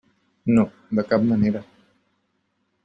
No, de cap manera.